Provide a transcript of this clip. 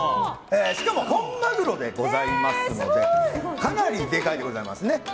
しかも本マグロでございますのでかなりでかいんでございますね。